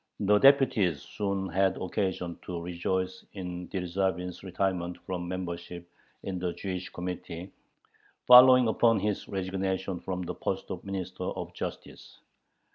The deputies soon had occasion to rejoice in Dyerzhavin's retirement from membership in the Jewish Committee, following upon his resignation from the post of Minister of Justice.